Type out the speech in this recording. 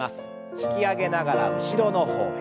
引き上げながら後ろの方へ。